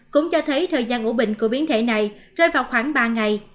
cũng cho thấy thời gian ủ bệnh của biến thể này rơi vào khoảng ba ngày